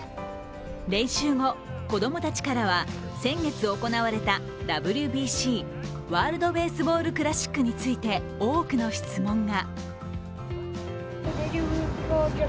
練習後、子供たちからは、先月行われたＷＢＣ＝ワールドベースボールクラシックについて多くの質問が。